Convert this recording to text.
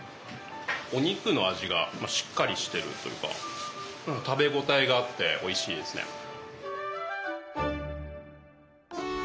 お肉の味がしっかりしてるというか食べ応えがあっておいしいですね。